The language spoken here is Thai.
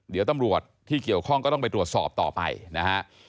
เดี๋ยวตำรวจที่เกี่ยวข้องก็ต้องไปตรวจสอบต่อไปนะฮะ